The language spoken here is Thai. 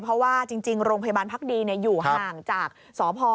เพราะว่าจริงโรงพยาบาลพักดีอยู่ห่างจากสพ